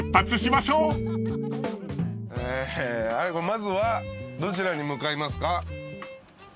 まずはどちらに向かいますか？